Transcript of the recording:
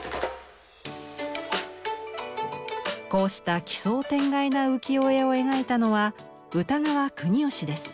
こうした奇想天外な浮世絵を描いたのは歌川国芳です。